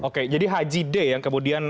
oke jadi haji d yang kemudian